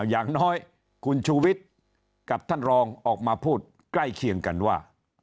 อย่างน้อยคุณชูวิทย์กับท่านรองออกมาพูดใกล้เคียงกันว่า